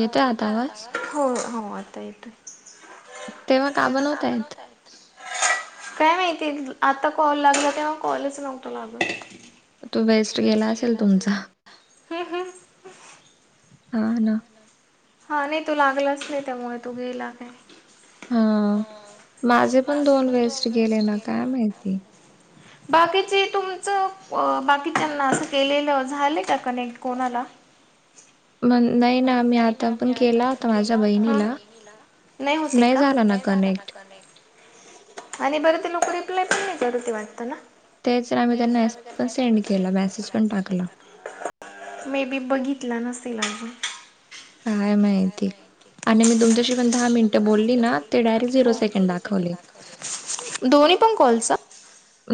हो येत आता हो हो आता येतोय तेव्हा का बनवता आहेत काय माहिती आता कॉल लागला तेव्हा कॉलच नव्हत लागल तो बेस्ट गेला असेल तुमचा हम्म हम्म. हा ना हा नाही तू लागलाच नाही. त्यामुळे तू गेला काय हा माझे पण दोन वेस्ट गेले ना काय माहिती बाकीचे तुमचं बाकीच्याना असं केलेलं झालं का कनेक्ट कोणाला मग नाही म मी नाही ना आता आम्ही पण आता केला पण होता माझ्या केला होता. आमच्या बहिणीला नाही होते का नाही झाला ना आणि बरं ते लोक रिप्लाय पण नाही करू ते वाटत ना तेच आम्ही त्यांना एस पण सेंड केला मेसेज पण टाकला मे बी बघितला नसेल. आज काय माहिती आणि मी तुमच्याशी पण दहा मिनट बोलली ना ते डायरी झिरो सेकंड दाखवले. दोन्ही पण कॉलचा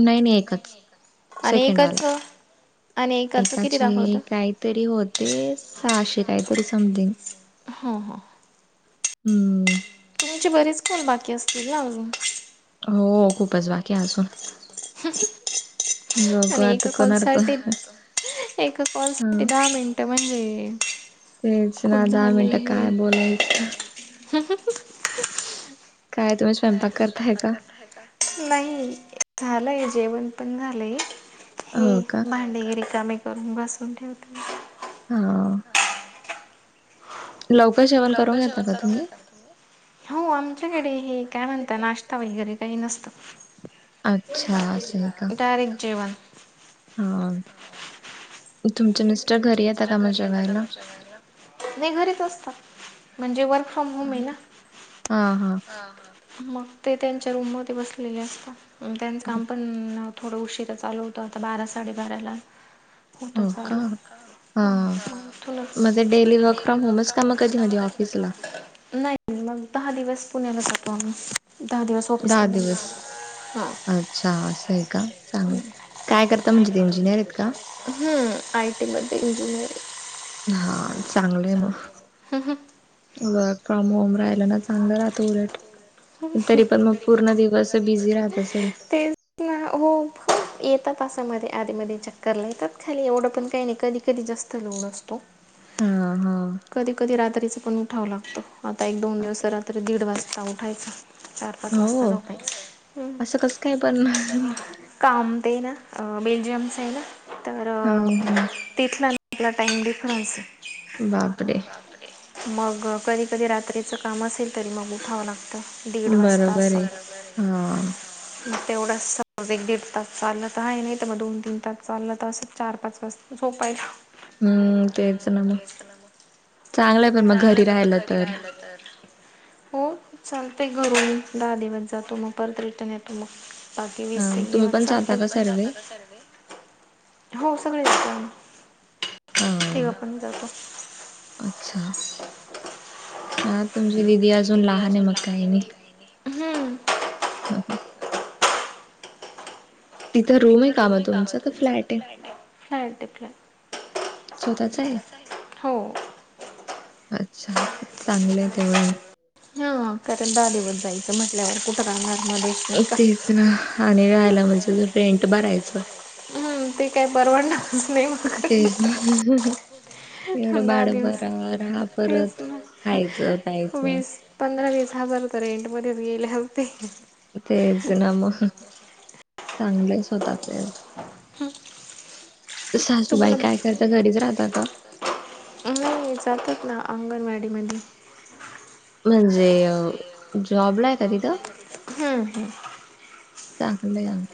नाही नाही एकच. आणि सेकंडवाला एकाच आणि एकाच किती दाखवतं. तरी होते सहाशे काहीतरी समथिंग ह ह हम्म तुमची बरीच फल बाकी असतील ना? अजून हो खूपच बाकी अजून ह आणि ए आता कॉल कोणावर सा कोण ए कॉल सा हं दहा मिनिट म्हणजे तेच ना खूप दहा झालंय मिनटं काय हे बोलायच. काय तुम्ही स्वयंपाक करताय का? नाही झालंय जेवण पण झालंय. हे हो का? भांडे रीकमीे करून घसून ठेवत. ह लवकर जेवण करून घेता का? तुम्ही हो आमच्याकडे हे काय म्हणत नाश्ता वगैरे काही नसतं. अच्छा स का डायरेक्ट जेवण हा तुमच्या मिस्टर घरी येत का माझ्या जेवायला नाही घरीच असत म्हणजे वर्क फ्रॉम होम आहे. ना हा हा मग ते त्यांच्या रूम मध्ये बसलेले. असत त्यांचं काम पण थोडं उशिरा चालू होतं आता बारा साडेबाराला होतं हो चालू का? हा मग ते डेली डेली वर्क होमच फ्रॉम का मग होम का मधी कधी कधी ऑफिसला? ऑफिस नाही मग दहा दिवस पुण्याला जातो. आम्ही दहा दिवस दहा ऑफिसला दिवस जायचो अच्छा असं आहे. का चांगलं काय करता म्हणजे ते इंजिनिअर आहेत का ह् आय टीमध्ये इंजिनिअरिंग हा चांगलंय मग वर्क फ्रॉम होम राहिलं ना चांगलं राहतो. उलट तरी पण मग पूर्ण दिवस बिझी राहत असेल. ते हो येतात असामध्ये आधी मध्ये चक्कर ला येतात खाली एवढं पण काही नाही कधी कधी जास्त लोड असतो. हा हा कधी कधी रात्रीच पण उठाव लागतो. आता एक दोन दिवस बापरे रात्री दीड वाजता उठायचा हो असं कसं काय पण काम ते ना बेल्जियमस आहे ना तर हा तिथला आपला टाइम डफरन्स बापरे मग कधी कधी रात्रीचं काम असेल तरी मग उठावं लागतं. दीड बरोबर आहे हा तेवढं सज एक दीड तास चाललं तर आहे नाही. तर मग दोन तीन तास चाललं तर असं चार पाच वाजता झोपायचं हम्म चेच नाम मग चांगलं पण मग घरी राहाला तर हो चालतय घरून मी दहा दिवस जातो मग परत रिटर्न येतो मग बाकी हा वीस ते मग तुम्ही दिवस पण जाता का चालतातण ज सर्वे का सर्व हो सगळे अस हा ते पण जातो अच्छा ह तुमची दिदी अजून दिदी लहान आहे आजून मग काही लहाने मंगाय हा हा इथं रूम आहे का म तुमच का फ्लॅट आहे फ्लॅट आहे फ्लॅट स्वतःच आहे हो अच्छा चांगलं आहे तेवढं हा कारण दहा दिवस जायचं म्हटल्यावर कुठ राणारमध्येध्ये तेच ना आणि, राहायला म्हणजे रेंट भरायचं हम्म ते काही परवाडणारच नाही मग तेच ना एवढं दहा बाळ दिवस, बरा राहा तेच परत ना खायचं प्यायचं वीस पंधरा वीस हजार तर रेंटमध्येध्येच गेले असते तेच ना मग चांगले स्वतःचे आहे हम्म सासूबाई काय करता घरीच राहता का नाही जातात ना अंगणवाडी, मध्ये म्हणजे जॉबला आहे का तिथं हम्म हम्म चांगलं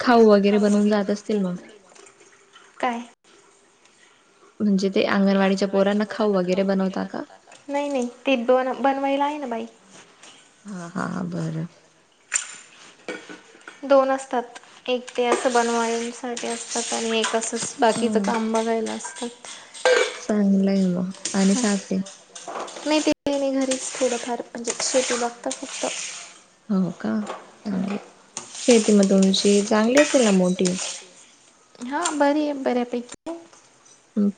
खाऊ वगैरे बनवून जात असतील मग काय म्हणजे ते अंगणवाडीच्या पोरांना खाऊ वगैरे बनवता का नाही नाही ते बन बनवायला आहे ना बाई हा हा हा बरं दोन असतात एक ते असं बनवायंसाठी असतात आणि एक असत तं बाकीचं ह काम बघायला असतं चांगलंय म नाही ते घरीच थोडंफार म्हणजे शेती बघता फक्त हो का हम्म. चांगलं शेती म तुमची चांगली असेल ना मोठी हा बरी आहे बऱ्यापैकी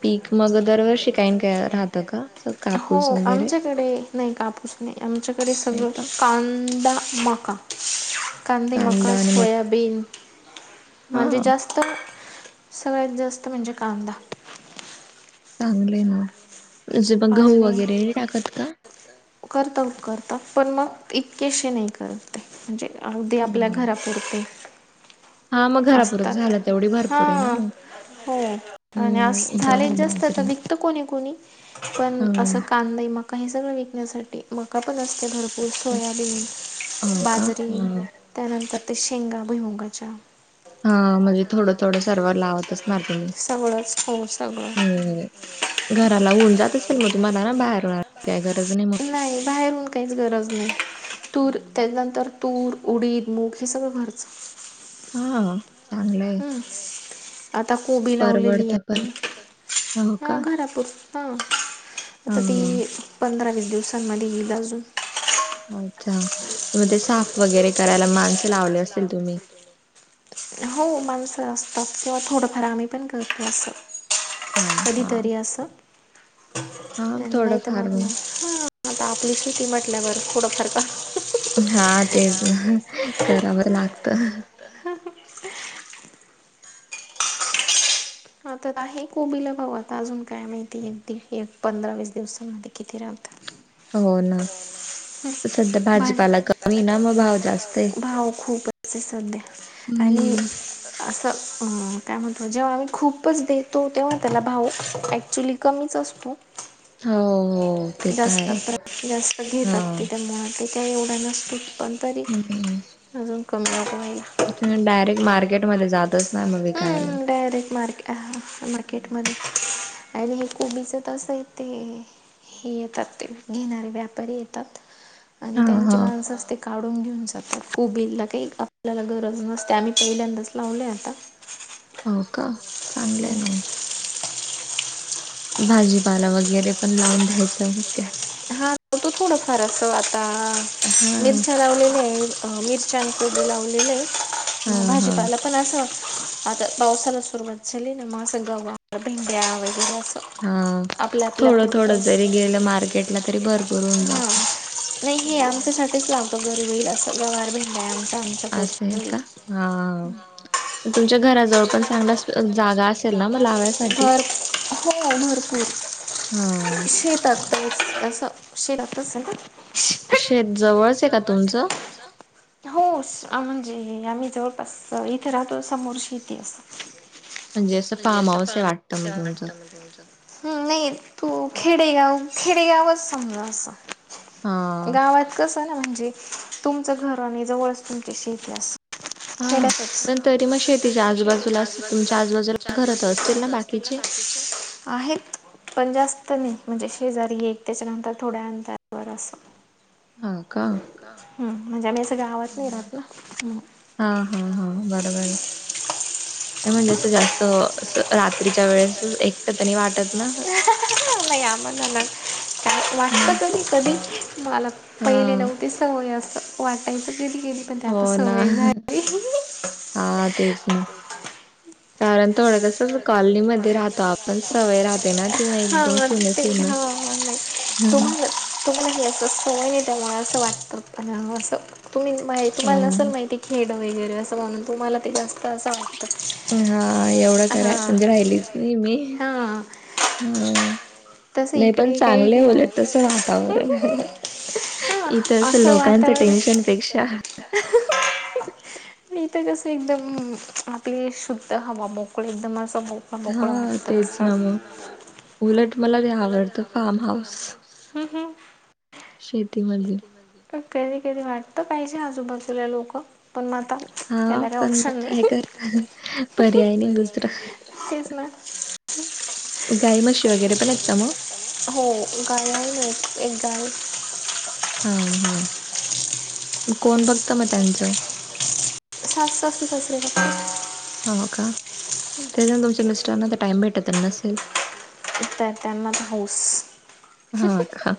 पीक मग दरवर्ष काहीन का असं हो कापूस वगैरे आमच्याकडे नाही कापूस नाही आमच्याकडे नाही सगळं का कांदामाका कांदीे कांदा मकाज आणि मक्का सोयाबीन म्हणजे हा जास्त तर सगळ्यात जास्त म्हणजे कांदा चांगले ना म्हणजे मग गहू वगैरे टाकत का करत उपकरत पण मग इतकेशे नाही करत म्हणजे अगदी आपल्या हा घरापुरते हा मग घरापुरच असतात झाला तेवढी भरपूर आहे ना हां मग हो आणि अस हम्म झाले गहू जास्त आता बाजरी दिक्त कोणी कोणी पण ह असं कांदा मग काही सगळं विकण्यासाठी मक्का पण असं ते भरपूर सोयाबीन हो का बाजरी हा त्यानंतर ते शेंगा भुईमुगाच्या. हा म्हणजे थोडं थोडं सर्वर लावत असणार तुम्ही सगळंच हो सगळं हम्म. घराला होऊन जात असेल मग तुम्हाला ना बाहेर राहायची काय गरज मग नाही बाहेरून काहीच गरज नाही तूर त्याच्यानंतर तूर उडीद मूग हे सगळं घरचं. हा चांगलं आहे. आता कोबी लावलेली परवडत आहे पण हो का हा घरातूनं. हां आता ती हा पंधरा वीस दिवसांमध्ये येईल अजून. अच्छा मग ते साफ वगैरे करायला माणस लावले असेल तुम्ही. हो माणसं असतात किंवा थोडंफार आम्ही पण करतो असं. हा हा कधीतरी अस हा आणि नाहीत थोडंफार मग म हा आता आपली शेती म्हटल्यावर थोडंफार का हा तेच ना करावं लागतं. [unintelligible] आता आहे कोबीला भाऊ आता अजून काय माहिती एक पंधरा वीस दिवसामध्ये. किती राहता. हो ना. सध्या भाजीपाला कमी ना मग भाव जास्त आहे भाऊ खूपे सध्या. आणि हम्म असं अ काय म्हणत जेव्हा आम्ही खूपच देतो तेव्हा त्याला भाव ॲक्च्युली कमीच असतो. हो हो ते तर जास्त आहे जास्त हा घेतात तिच्यामुळं ते. त्या एवढ्या नसतील पण तरी हम्म अजून कमी नको व्हायला. तुम्ही डायरेक्ट मार्केटमध्ये जात असणार मग विकायला हम्म डायरेक्ट. मार्के अ हा मार्केट मध्ये अ हे कोबीच तसं आहे ते. हे येतात ते घेणारे व्यापारी येतात आणि हा त्यांची हा माणस असते. काढून घेऊन जातात फुबिलला काही आपल्याला गरज नसते आम्ही पहिल्यांदाच लावले आता. हो का चांगलं ना. भाजीपाला वगैरे पण लावून द्यायचं म काय. हा तू थोड फार अस आता हा मिरच्या लावलेल्या आहे. मिरच्या आणि कोबी लावलेले आहे हा म हा भाजीपाला पण असं आता पावसाला सुरवात झाली ना म असं गव्हार भिंड्या वैगेरे असं. हा आपल्या आपल्या थोडं थोड पुरतंच जरी गेलं मार्केटला तरी भरपूर होऊन हां जातं. नाही हे आमच्यासाठीच लावतो घरी हो येईल असं गवार भेंड्या आहे आमचा आम असं आहे का हा पण तुमच्या घराजवळ पण चांगलाच भर हो भरपूर. हा शेतातच असं शेतातच आहे. शेत जवळच आहे जवळचे का तुमचं तुमचं? हो म्हणजे आम्ही जवळपास इथे राहतो समोर शेती असते. म्हणजे असं फार्म हाऊस आहे वाटतं मग तुमचं. हम्म नाही तू खेडेगाव खेडेगावच समजा असं. हा गावात कस ना म्हणजे तुमच घर आणि जवळच तुमची शेती असं. हा पण तरी म तिच्या आजूबाजूला आजूबाजूला तुमच्या तुमच्या आजूबाजूला घर तर आजूबाजूलात असतील ना बाकीचे आहेत. पण जास्त नाही म्हणजे शेजारी एक त्याच्यानंतर थोड्या अंतरावर असं. हा का. हम्म म्हणजे आम्ही असं गावात नाही राहत ना. हा हा हा बरोबर आहे. म्हणजे असं जास्त अस रात्रीच्या वेळेस एकटत आणि वाटत ना ला यामण नला का नाही वाटत कधी कधी मला पहिले हा नव्ह ते सवय असं वाटायचं गली गेली हो ना हा तेच ना कारण थोडं कसच कॉलनी मध्ये राहतो आपण सवय राहते ना तेव्हा एकदम हां सुन ते सुन हम् हम तो असं सोय नाही त्यामुळे असं वाटतं पण असं तुम्ही माहि अ तुम्हाला नसाल माहिती खेड वगैरे असं बणून तुम्हाला ते जास्त असं वाटतं हा एवढं कराय हां म्हणजे राहिलीच नाही मी हां हा तसं नाही पण इकडे काही चांगले नाही बलेट तस वातावरण हां इथ अस असं लोकांच वातावरण टेन्शन पेक्षा नाही तर कस एकदम आपले शुद्ध हवा मोकळे एकदम असं मोक आप हा मोकळा वाचत तेच असं ना मग उलट मला ते आवडतं फार्म हाऊस हटज शेतीमध्ये कधी कधी वाटतं पाहिजे आजूबाजूला लोकं पण मग आता हा एले पण मग ऑप्शनस काय करता पर्याय नाही दुसरा गाई मशी वगैरे पण आहेत का मग हो गयला नाही एकदा हा हा कोण बघत मग त्यांचं सात सष्टत सासरे हो का ते तुमच्या मिस्टरांना टाइम भेटत नसेल तर त्यांना हऊस हां का?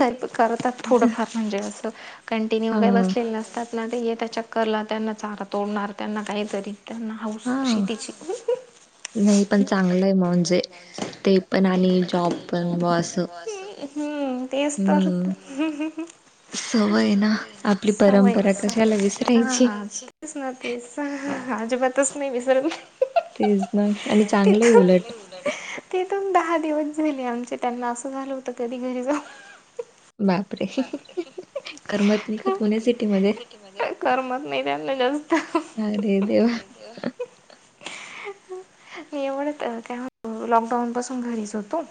तर करतात थोडंफार म्हणजे असं कंटिन्यू काय हां, बसलेले नसतात ते य त्या चक्करला त्यांना चारा तोडणार त्यांना काही तरी त्यांना हौस हा शेतीची नाही पण चांगलंय म्हणजे ते पण आणि जॉब पण ब असं हम्म तेच तर हं. सवय ना आपली सवय परंपरा कशाला विसरायची च नतीच अजिबातच नाही विसरल तेच ना आणि चांगले उलट तेथून दहा दिवस झाले आमचे त्यांना असं झालं होतं कधी घरी जाऊ बा पुणे सिटीमध्ये? करमत नाही त्यांना जास्त अरे देवा म एवढ काय लॉकडाऊन पासून घरीच होतो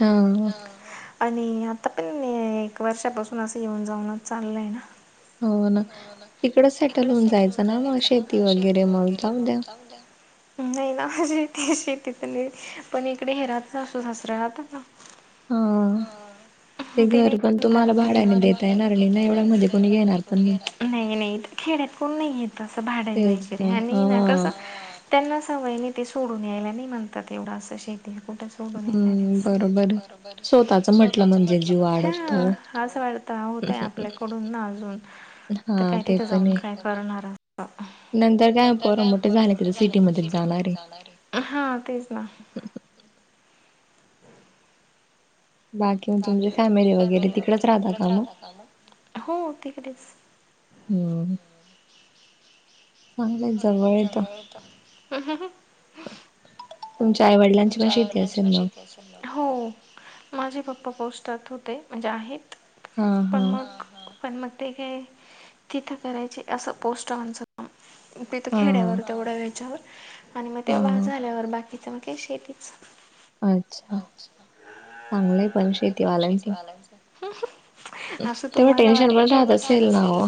हां. आणि आता पण वर्षापासून असं येऊन जाऊनं चाललं आहे ना हो ना तिकड सेटल होऊन जायचं ना मग शेती वगैरे मग जाऊ द्या नाही ना माझेथ शतीत नाही पण इकडे हे राहत अस सासरा राहत ना ह हां. ते घर पण तुम्हाला भाड्याने देता येणार नाही ना एवढ्या मध्ये कोणी घेणार पण नाही नाही नाही खेड्यात कोण नाही घेत असं भाडने तेच ना वगैरे आणि हा ना कसं त्यांना सवय नाही ते सोडून यायला नाही म्हणतात एवढं असं शेती कुठच डून येणार हम्म बरोबर. म्हटलं स्वतःच म्हणजे म्हटलं जीव अडकतो. ह असं वाटत होतय आपल्याकडून ना अजून तर हा काय ते तिथे पण जाऊन आहे काय करणार नंतर काय, पोरं मोठे झाले तथ सिटीमध्येच जाणार आहे. हा, तेच ना. [unintelligible] [inaudible] मग तुमची बाकी म्हणजे, फॅमिली वगैरे तिकडच राहता तिकडेच मग राहत का? हो तिकडेच हम्म. चांगलंय जवळ येत [unintelligible] [inaudible] तुमच्या आईवडिलांची पण शेती असेल मग? हो, माझे पप्पा पोस्टात होते, म्हणजे आहेत. हा पण हा मग, पण मग, ते काय तिथं करायचे असं पोस्ट ऑन तिथं खेड्यावर हा. तेवढ्या येच्यावर. आणि मग ते वा हा झाल्यावर बाकीचं मग काय शेती [unintelligible] अच्छा, चांगलंय [inaudible] आम्ही पण शेतीवाल्यांचं. शेतीवाल्यांचय. [unintelligible] असं तेव्हा तुम्हाला टेन्शन पण वाटत, राहत असेल ना हो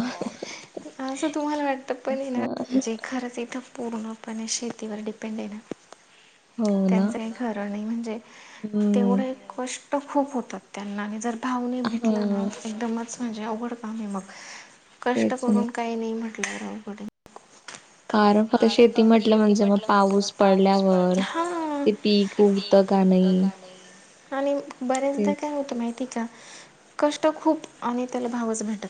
[inaudible] असं तुम्हाला वाटत पण ना खरंच इथं, पूर्णपणे शेतीवर डिपेंड आहे ना. हो ना. त्यांचं काही खरं नाही. म्हणजे, हम्म तेवढं कष्ट खूप होतात त्यांना. आणि जर भाव नाही भेटला ना हा एकदमच म्हणजे अवघड कामय मग, कष्ट तेच ना करून काही नाही म्हटल्यावर अवघडय. कारण फक्त [unintelligible] शेती म्हणजे मग म्हटलं म्हणजे म पाऊस पाऊस पडल्यावर पडला ते पीक उगतं का नाही [unintelligible] [inaudible] आणि बऱ्याचदा तेच काय होतं माहिती का? कष्ट खूप आणि त्याला भावच भेटत